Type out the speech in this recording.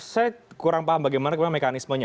saya kurang paham bagaimana mekanismenya